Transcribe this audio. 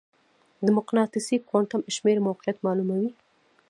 د مقناطیسي کوانټم شمېره موقعیت معلوموي.